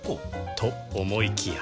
と思いきや